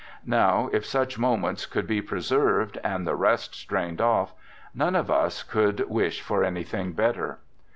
Now if such moments could be preserved, and the rest strained off, none of us could wish for anything better.